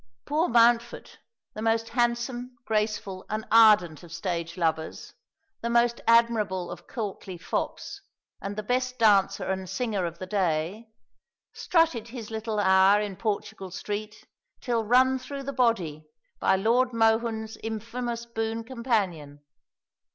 Poor Mountfort, the most handsome, graceful, and ardent of stage lovers, the most admirable of courtly fops, and the best dancer and singer of the day, strutted his little hour in Portugal Street till run through the body by Lord Mohun's infamous boon companion.